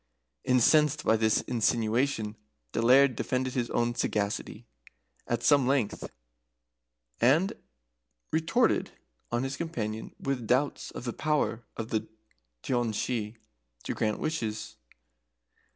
Incensed by this insinuation, the Laird defended his own sagacity at some length, and retorted on his companion with doubts of the power of the Daoiné Shi to grant wishes.